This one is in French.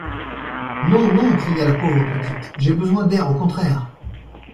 Non, non, cria la pauvre petite, j’ai besoin d’air au contraire.